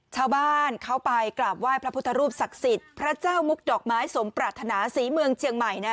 ชาวบ้านเขาไปกราบไหว้พระพุทธรูปศักดิ์สิทธิ์พระเจ้ามุกดอกไม้สมปรารถนาศรีเมืองเชียงใหม่นะ